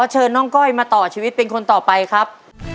เชิญน้องก้อยมาต่อชีวิตเป็นคนต่อไปครับ